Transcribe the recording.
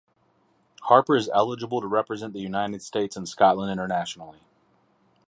Harper is eligible to represent the United States and Scotland internationally.